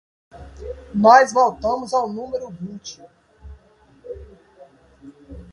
Nós votamos o número vinte.